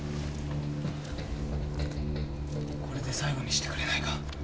これで最後にしてくれないか？